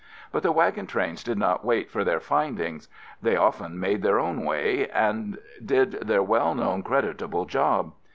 But the wagon trains did not wait for their findings; they often made their own way and did their well known creditable job.